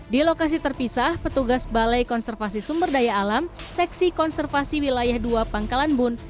di lokasi terpisah petugas balai konservasi sumber daya alam seksi konservasi wilayah dua pangkalan bun